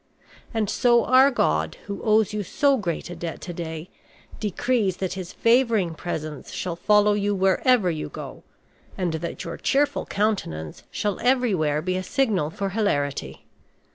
And so our god, who owes you so great a debt to day, decrees that his favoring presence shall follow you wherever you go, and that your cheerful countenance shall everywhere be a signal for hilarity.